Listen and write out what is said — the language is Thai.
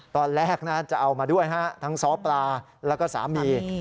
ตอนแรกนะจะเอามาด้วยฮะทั้งซ้อปลาแล้วก็สามี